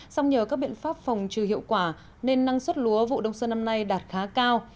song nhờ các biện pháp phòng trừ hiệu quả nên năng suất lúa vụ đông xuân năm nay đạt khá cao